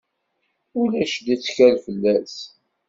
Ulac lettkal fell-as.